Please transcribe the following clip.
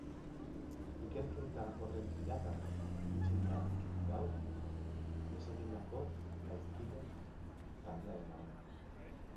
Ikerketa horren tiraka iritsi dira gaur desegindako gaizkile-taldearengana.